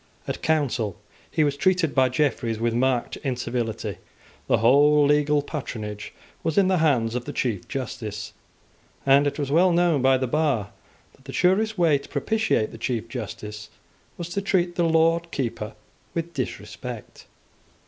At Council he was treated by Jeffreys with marked incivility. The whole legal patronage was in the hands of the Chief Justice; and it was well known by the bar that the surest way to propitiate the Chief Justice was to treat the Lord Keeper with disrespect.